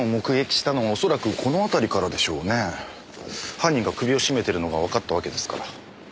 犯人が首を絞めてるのがわかったわけですから。